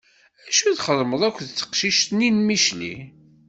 Acu i txeddmeḍ akked teqcict-nni n Micli?